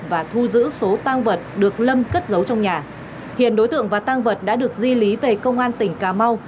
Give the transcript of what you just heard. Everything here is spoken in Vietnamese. và thu giữ số tăng vật được lâm cất giấu trong nhà hiện đối tượng và tăng vật đã được di lý về công an tỉnh cà mau